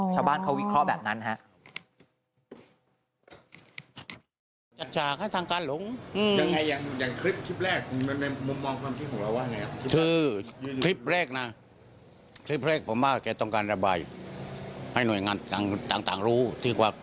ชาวบ้านเขาวิเคราะห์แบบนั้นครับ